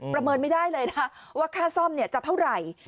เมินไม่ได้เลยนะว่าค่าซ่อมจะเท่าไหร่